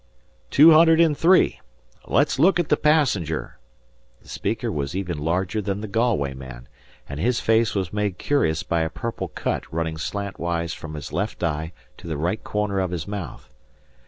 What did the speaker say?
"Two hundred and three. Let's look at the passenger!" The speaker was even larger than the Galway man, and his face was made curious by a purple cut running slant ways from his left eye to the right corner of his mouth.